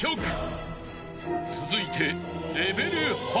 ［続いて］